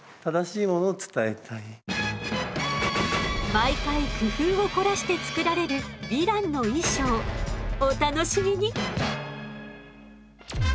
毎回工夫を凝らして作られるヴィランの衣装お楽しみに！